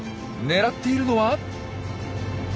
狙っているのは。